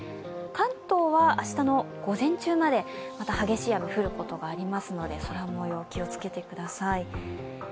関東は明日の午前中までまた激しい雨が降ることがありますので空もよう、気をつけてください。